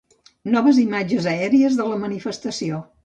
Noves imatges aèries de la manifestació.